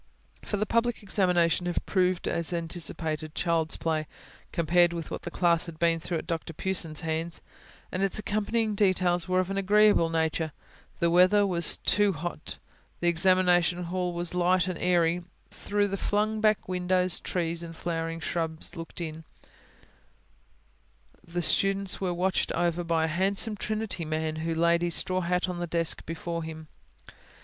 For the public examination had proved as anticipated, child's play, compared with what the class had been through at Dr Pughson's hands; and its accompanying details were of an agreeable nature: the weather was not too hot; the examination hall was light and airy; through the flung back windows trees and flowering shrubs looked in; the students were watched over by a handsome Trinity man, who laid his straw hat on the desk before him.